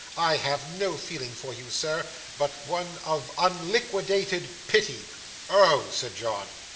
I have no feeling for you, sir, but one of unliquidated pity.' 'Oh!' said John.